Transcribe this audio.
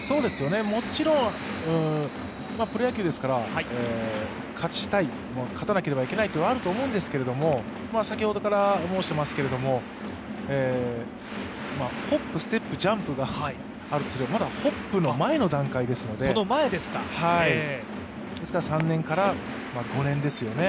もちろんプロ野球ですから勝ちたい、勝たなければいけないというのはあると思うんですけれども、先ほどから申してますけれどもホップ・ステップ・ジャンプがあるとすればまだホップの前の段階ですので、ですから３年から５年ですよね。